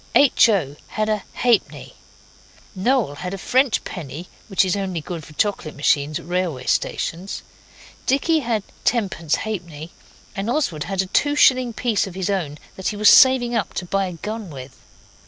H. O. had a halfpenny. Noel had a French penny, which is only good for chocolate machines at railway stations. Dicky had tenpence halfpenny, and Oswald had a two shilling piece of his own that he was saving up to buy a gun with.